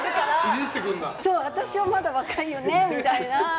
私はまだ若いよねみたいな。